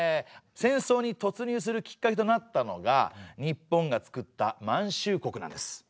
戦争に突入するきっかけとなったのが日本がつくった満州国なんです。